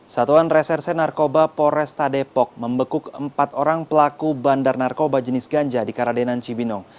satuan reserse narkoba poresta depok membekuk empat orang pelaku bandar narkoba jenis ganja di karadenan cibinong